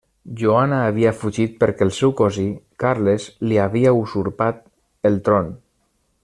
Joana havia fugit perquè el seu cosí, Carles, li havia usurpat el tron.